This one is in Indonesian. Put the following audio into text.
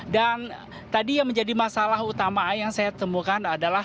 dan tadi yang menjadi masalah utama yang saya temukan adalah